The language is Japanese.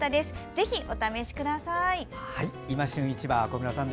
ぜひ、お試しください。